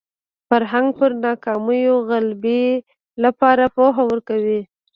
فرهنګ پر ناکامیو غلبې لپاره پوهه ورکوي